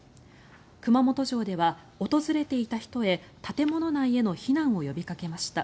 熊本城では訪れていた人へ建物内への避難を呼びかけました。